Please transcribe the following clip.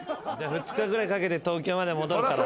２日ぐらいかけて東京まで戻るから。